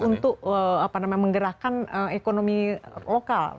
untuk apa namanya menggerakkan ekonomi lokal